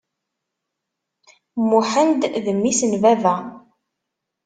Muḥend d mmi-s n baba.